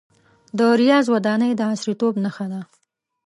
د ریاض ودانۍ د عصریتوب نښه ده.